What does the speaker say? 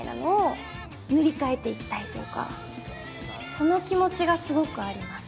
その気持ちがすごくあります。